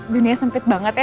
dunia sempit banget ya